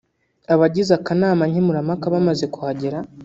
Abagize akanama nkemurampaka bamaze kuhagera